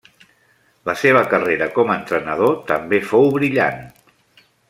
La seva carrera com a entrenador també fou brillant.